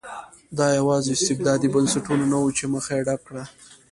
دا یوازې استبدادي بنسټونه نه وو چې مخه یې ډپ کړه.